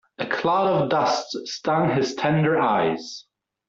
A cloud of dust stung his tender eyes.